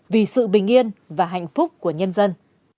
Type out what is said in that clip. vì sự bình yên và hạnh phúc của nhân dân